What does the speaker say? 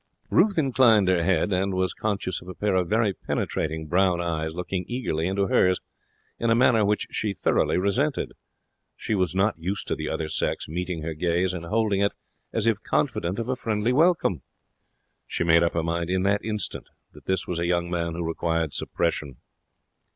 Ruth inclined her head, and was conscious of a pair of very penetrating brown eyes looking eagerly into hers in a manner which she thoroughly resented. She was not used to the other sex meeting her gaze and holding it as if confident of a friendly welcome. She made up her mind in that instant that this was a young man who required suppression.